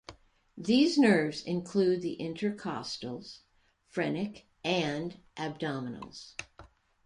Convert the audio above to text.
These nerves include the intercostals, phrenic, and abdominals.